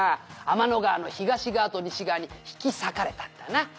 「天の川の東側と西側に引き裂かれたんだな」